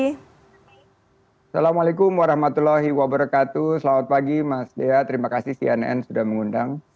assalamualaikum warahmatullahi wabarakatuh selamat pagi mas dea terima kasih cnn sudah mengundang